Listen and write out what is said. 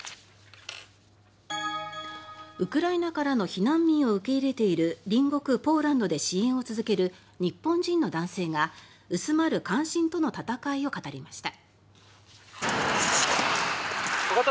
ウクライナからの避難民を受け入れている隣国ポーランドで支援を続ける日本人の男性が薄まる関心との戦いを語りました。